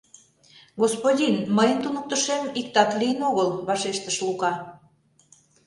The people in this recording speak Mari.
— Господин, мыйын туныктышем иктат лийын огыл, — вашештыш Лука.